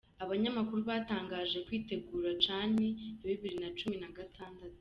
Abanyamakuru batangiye kwitegura cani ya bibiri na cumi na gatandatu